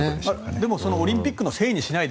でもオリンピックのせいにしないで。